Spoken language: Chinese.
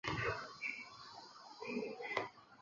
出家前叫岩仔龙庄。